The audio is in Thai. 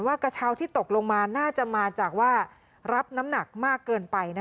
กระเช้าที่ตกลงมาน่าจะมาจากว่ารับน้ำหนักมากเกินไป